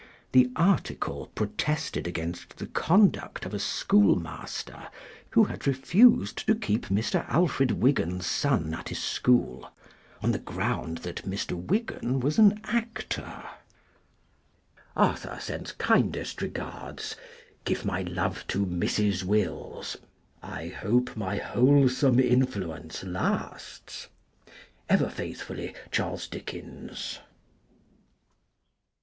The article protested against the conduct of a schoolmaster who had refused to keep Mr. Alfred Wigan's son at his school on the ground that Mr. Wigan was an actor. 248 CHARLES DICKENS AS EDITOR. [1858 Arthur sends kindest regards. Give my love to Mrs. Wills. I hope my wholesome influence lasts ? Ever faithfully, Charles Dickens.